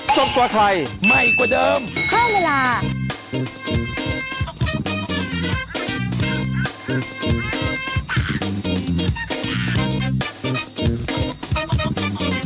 สวัสดีครับ